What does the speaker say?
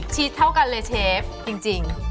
เท่ากันเลยเชฟจริง